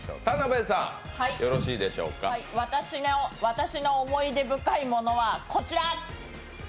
私の思い出深いものはこちら。